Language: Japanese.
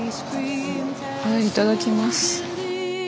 いただきます。